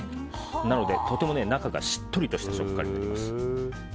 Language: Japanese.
なので、とても中がしっとりとした食感になります。